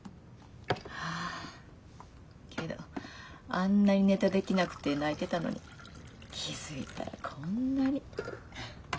けどあんなにネタできなくて泣いてたのに気付いたらこんなに。